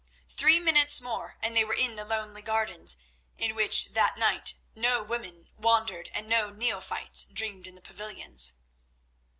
Three minutes more and they were in the lonely gardens, in which that night no women wandered and no neophytes dreamed in the pavilions.